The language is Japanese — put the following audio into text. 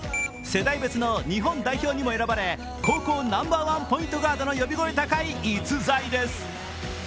世代別の日本代表にも選ばれ高校ナンバーワンポイントガードの呼び声高い逸材です。